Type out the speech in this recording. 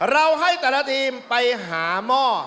เราให้แต่ละทีมไปหาหม้อ